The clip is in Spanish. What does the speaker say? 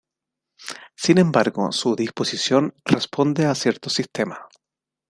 Sin embargo su disposición responde a cierto sistema.